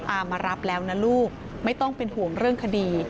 มารับแล้วนะลูกไม่ต้องเป็นห่วงเรื่องคดี